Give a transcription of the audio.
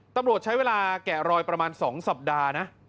ตำรวจใช้เวลาแกะรอยประมาณ๒สัปดาห์นะ